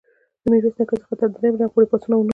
د میرویس نیکه څخه تر دریم جنګ پوري پاڅونونه وشول.